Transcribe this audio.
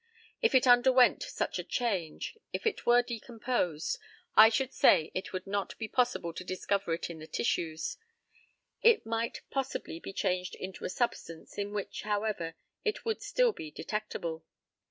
If it underwent such a change, if it were decomposed, I should say it would not be possible to discover it in the tissues; it might possibly be changed into a substance, in which, however, it would still be detectable.